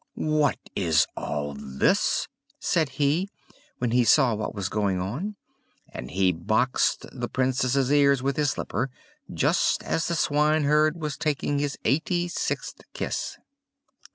"What is all this?" said he, when he saw what was going on, and he boxed the Princess's ears with his slipper, just as the swineherd was taking the eighty sixth kiss.